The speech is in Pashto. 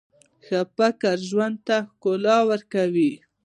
ښه فکر ژوند ته ښکلا ورکوي.